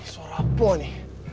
suara apa ini